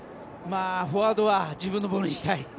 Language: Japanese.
フォワードは自分のボールにしたい。